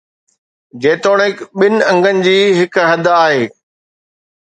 جيتوڻيڪ ٻن انگن جي هڪ حد آهي.